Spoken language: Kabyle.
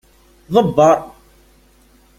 Ḍebbeṛ.